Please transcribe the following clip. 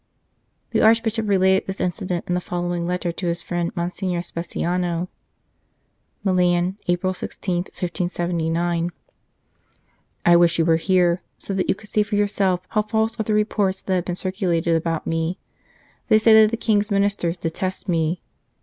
The Archbishop related this incident in the following letter to his friend Monsignor Speciano : "MILAN, April 16, 1579. " I wish you were here, so that you could see for yourself how false are the reports that have been circulated about me. They say that the King s Ministers detest me.